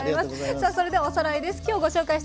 さあそれではおさらいです。